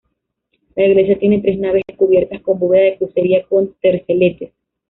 La iglesia tiene tres naves cubiertas con bóveda de crucería con terceletes.